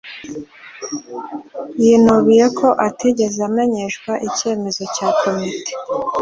yinubiye ko atigeze amenyeshwa icyemezo cya komite